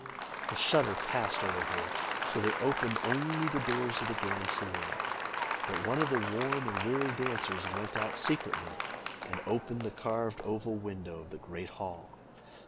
A shudder passed over her, so they opened only the doors of the grand saloon. But one of the warm and weary dancers went out secretly, and opened the carved oval window of the great hall.